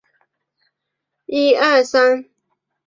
一位穷苦的老裁缝必须在圣诞夜前为市长赶制礼服。